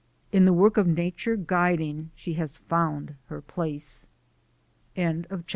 In the work of nature guiding she has found her place.